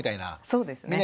そうですね。